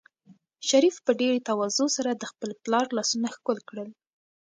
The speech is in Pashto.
شریف په ډېرې تواضع سره د خپل پلار لاسونه ښکل کړل.